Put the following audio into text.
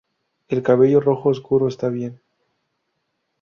El cabello rojo oscuro está bien.